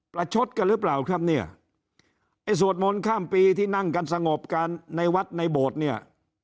ชดกันหรือเปล่าครับเนี่ยไอ้สวดมนต์ข้ามปีที่นั่งกันสงบกันในวัดในโบสถ์เนี่ย